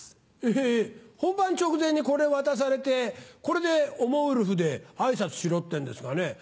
え本番直前にこれ渡されてこれで「おもウルフ」で挨拶しろってんですがね。